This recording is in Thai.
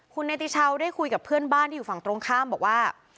คุณเนติชาวได้คุยกับเพื่อนบ้านที่อยู่ฝั่งตรงข้ามบอกว่า